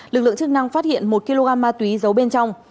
lực lượng chức năng phát hiện một kg ma túy giấu bên trong